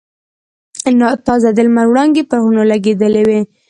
تازه د لمر وړانګې پر غرونو لګېدلې وې.